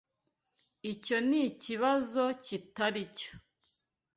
Icyo nikibazo kitari cyo.